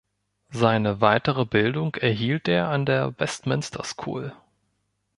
Seine weitere Bildung erhielt er an der Westminster School.